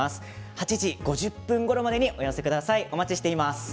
８時５０分ごろまでにお寄せください。